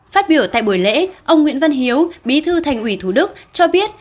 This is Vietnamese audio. phát biểu tại buổi lễ ông nguyễn văn hiếu bí thư thành ủy thủ đức cho biết